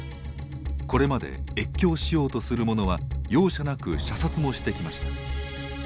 これまで越境しようとする者は容赦なく射殺もしてきました。